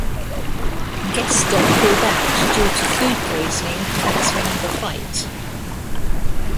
Gesta pulled out due to food poisoning cancelling the fight.